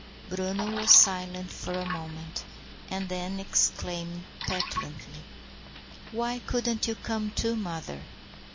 Bruno was silent for a moment, and then exclaimed petulantly,— "Why couldn't you come too, mother?"